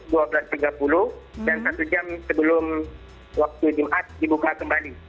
dan satu jam sebelum waktu jemaat dibuka kembali